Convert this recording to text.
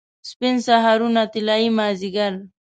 سپین سهارونه، طلايي مازدیګر